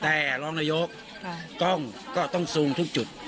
แต่รองนายกกล้องก็ต้องซูมทุกจุด